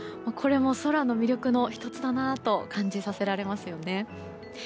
これも空の魅力の１つだなと感じさせられますよね。